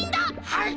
はい！